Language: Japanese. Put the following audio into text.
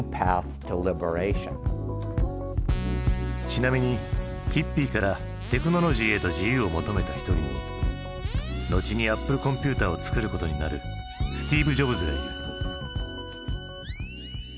ちなみにヒッピーからテクノロジーへと自由を求めた一人に後にアップルコンピュータを作ることになるスティーブ・ジョブズがいる。